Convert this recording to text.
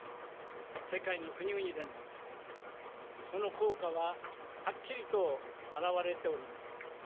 世界の国々でも、その効果ははっきりと表れております。